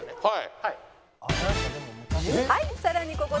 はい。